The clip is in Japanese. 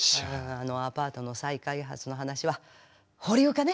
あのアパートの再開発の話は保留かね？